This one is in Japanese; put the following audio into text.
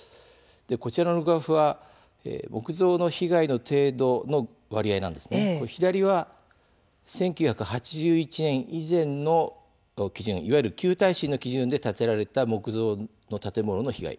こちらのグラフは木造の被害の程度の割合なんですけれども左は、１９８１年以前の基準いわゆる「旧耐震」の基準で建てられた木造の建物の被害。